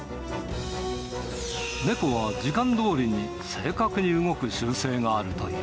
猫は時間どおりに正確に動く習性があるという。